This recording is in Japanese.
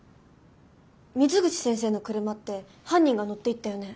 水口先生の車って犯人が乗っていったよね。